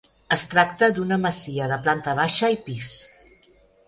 Es tracta d'una masia de planta baixa i pis.